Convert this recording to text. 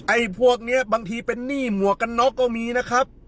ไอ้พวกนี้บางทีเป็นหนี้หมวกกันน็อกก็มีนะครับ